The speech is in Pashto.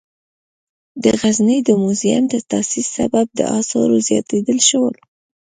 د غزني د موزیم د تاسیس سبب د آثارو زیاتیدل شول.